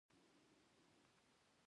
د ایمان لپاره علم اړین دی